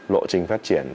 lộ trình phát triển